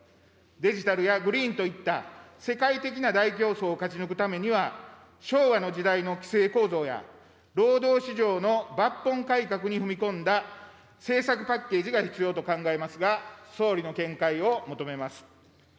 デジタルやグリーンといった世界的な大競争を勝ち抜くためには、昭和の時代の規制構造や、労働市場の抜本改革に踏み込んだ政策パッケージが必要と考えますが、総理の見解を求めます。